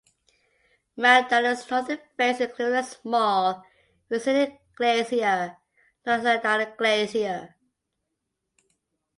Mount Dana's northern face includes a small, receding glacier known as the Dana Glacier.